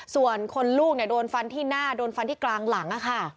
ส่วนคนลูกโดนฟันที่หน้าโดนฟันที่กลางหลัง